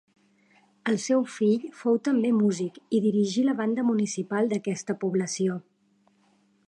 El seu fill fou també músic i dirigí la banda municipal d'aquesta població.